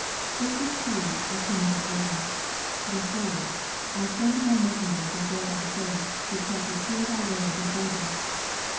27 This is he^ of whom it is written, Behold, I send my messenger before thy &ce, which shall prepare thy way before thee.